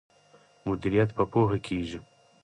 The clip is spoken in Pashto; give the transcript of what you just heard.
مدیریت په پوهه کیږي.